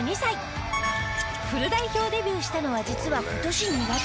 フル代表デビューしたのは実は今年２月。